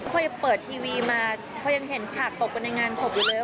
พอยังเปิดทีวีมาพอยังเห็นฉากตกกันในงานศพอยู่เลย